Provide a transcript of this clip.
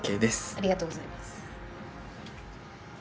ありがとうございます。